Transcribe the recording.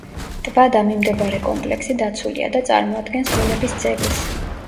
ტბა და მიმდებარე კომპლექსი დაცულია და წარმოადგენს ბუნების ძეგლს.